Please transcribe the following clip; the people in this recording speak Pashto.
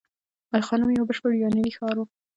ای خانم یو بشپړ یوناني ښار و